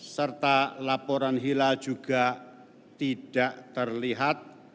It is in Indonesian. serta laporan hilal juga tidak terlihat